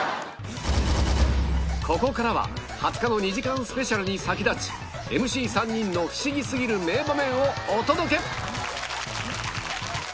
ここからは２０日の２時間スペシャルに先立ち ＭＣ３ 人のフシギすぎる名場面をお届け！